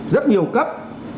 rất nhiều cấp